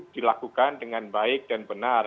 dilakukan dengan baik dan benar